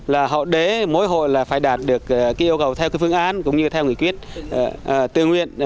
là họ đế mỗi hộ là phải đạt được yêu cầu theo phương án cũng như theo nghị quyết tương nguyện